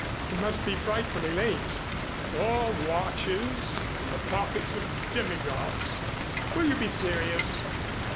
"It must be frightfully late." " or watches in the pockets of demigods " "Will you be serious!"